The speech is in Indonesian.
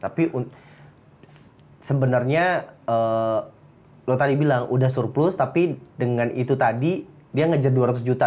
tapi sebenarnya lo tadi bilang udah surplus tapi dengan itu tadi dia ngejar dua ratus juta